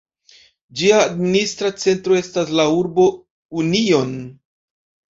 Ĝia administra centro estas la urbo Union.